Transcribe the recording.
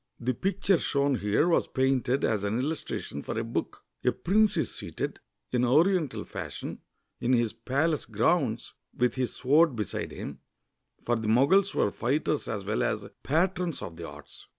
The picture shown here was painted as an illustration for a book. A prince is seated, in Oriental fashion, in his palace grounds, with his sword beside him, for the Moguls were fighters as well as patrons of the arts.